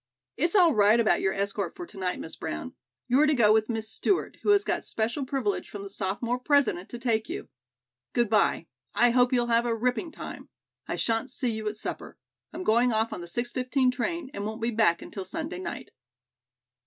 "It's all right about your escort for to night, Miss Brown. You are to go with Miss Stewart, who has got special privilege from the sophomore president to take you. Good bye. I hope you'll have a ripping time. I shan't see you at supper. I'm going off on the 6.15 train and won't be back until Sunday night."